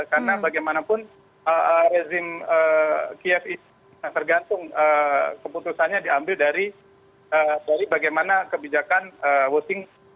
karena bagaimanapun rezim kfis tergantung keputusannya diambil dari bagaimana kebijakan washington